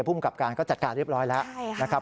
ผู้มกับการก็จัดการเรียบร้อยแล้ว